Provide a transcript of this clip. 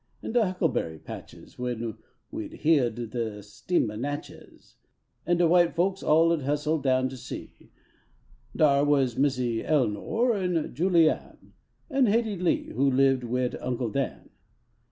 In de huckleberry patches When we heah d the steamah Xatchex., An de white folks all ud hustle down to see. Dar was Missy Elenor an Julie Ann, An Haidee Lee, who lived wid Uncle Dan.